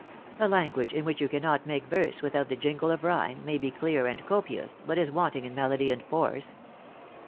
A language, in which you cannot make verse without the jingle of rhyme, may be clear and copious, but is wanting in melody and force.